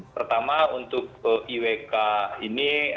pertama untuk iwk ini